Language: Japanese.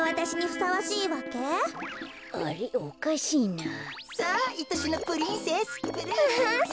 さあいとしのプリンセス。